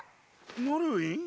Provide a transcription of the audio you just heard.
ノルウィン？